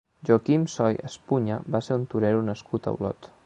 Joaquim Soy Espuña va ser un torero nascut a Olot.